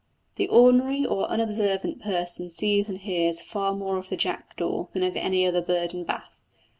The ordinary or unobservant person sees and hears far more of the jackdaw than of any other bird in Bath.